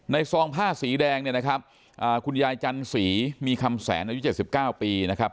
ในซองผ้าสีแดงคุณยายจันสีมีคำแสงอายุ๗๙ปีนะครับ